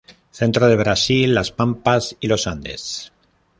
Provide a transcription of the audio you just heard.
Centro de Brasil, las Pampas, y los Andes.